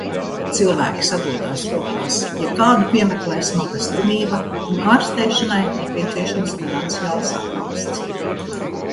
Tagad cilvēki sadodas rokās, ja kādu piemeklē smaga slimība un ārstēšanai nepieciešams finansiāls atbalsts.